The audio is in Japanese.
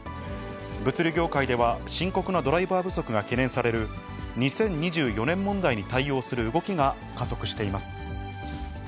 物流業界では、深刻なドライバー不足が懸念される、２０２４年問題に対応する動きが加速しています。